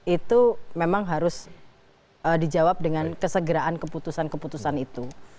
itu memang harus dijawab dengan kesegeraan keputusan keputusan itu